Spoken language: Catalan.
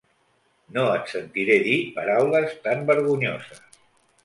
No et sentiré dir paraules tan vergonyoses!